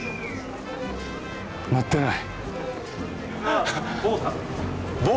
載ってない！